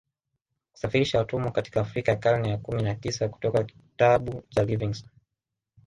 Kusafirisha watumwa katika Afrika ya karne ya kumi na tisa kutoka kitabu cha Livingstone